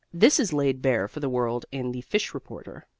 This is laid bare for the world in "The Fish Reporter."